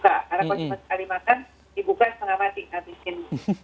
karena kalau cuma sekali makan dibuka selama dihabisin